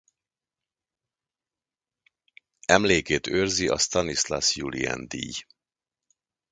Emlékét őrzi a Stanislas Julien-díj